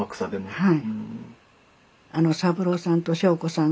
はい。